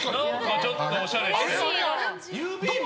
ちょっとおしゃれしてる。